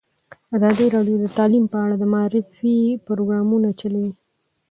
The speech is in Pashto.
ازادي راډیو د تعلیم په اړه د معارفې پروګرامونه چلولي.